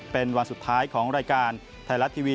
เป็นวันสุดท้ายของรายการไทยรัฐทีวี